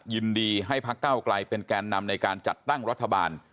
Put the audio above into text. ยินดีให้พักเก้าไกลเป็นแกนนำในการจัดตั้งรัฐบาล